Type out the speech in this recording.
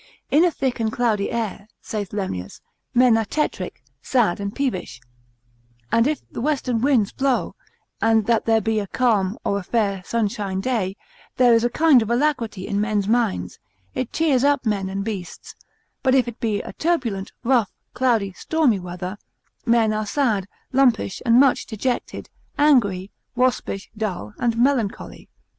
In a thick and cloudy air (saith Lemnius) men are tetric, sad, and peevish: And if the western winds blow, and that there be a calm, or a fair sunshine day, there is a kind of alacrity in men's minds; it cheers up men and beasts: but if it be a turbulent, rough, cloudy, stormy weather, men are sad, lumpish, and much dejected, angry, waspish, dull, and melancholy.